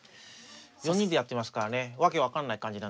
４人でやってますからね訳分かんない感じなんですけど。